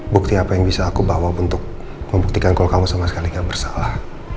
bukti apa yang bisa aku bawa untuk membuktikan kalau kamu sama sekali gak bersalah